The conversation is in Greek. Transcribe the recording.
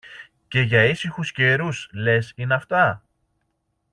Και για ήσυχους καιρούς, λες, είναι αυτά;